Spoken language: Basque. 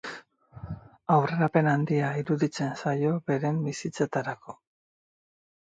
Aurrerapen handia iruditzen zaio beren bizitzetarako.